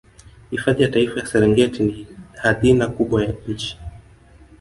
hifadhi ya taifa ya serengeti ni hadhina kubwa ya nchi